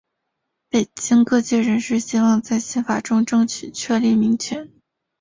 北京各界人士希望在宪法中争取确立民权。